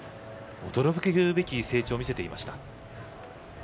驚くべき成長を見せていました。